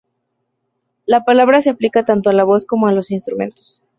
La palabra se aplica tanto a la voz como a instrumentos.